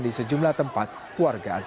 di sejumlah perjalanan